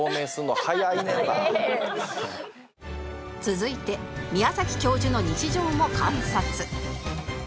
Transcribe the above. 続いて宮崎教授の日常も観察